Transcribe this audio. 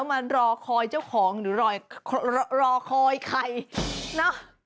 มารอคอยเจ้าของหรือรอคอยใครนะ